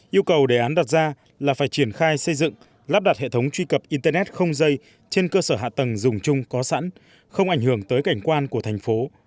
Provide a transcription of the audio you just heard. yêu cầu đề án đặt ra là phải triển khai xây dựng lắp đặt hệ thống truy cập internet không dây trên cơ sở hạ tầng dùng chung có sẵn không ảnh hưởng tới cảnh quan của thành phố